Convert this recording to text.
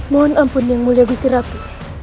mohon ampun yang mulia gusti ratu